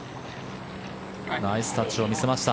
ナイスタッチを見せました。